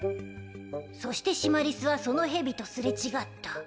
そしてシマリスはそのヘビと擦れ違った。